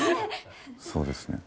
そうですね。